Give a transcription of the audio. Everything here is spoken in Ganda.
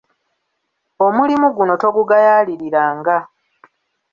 Omulimu guno togugayaaliriranga.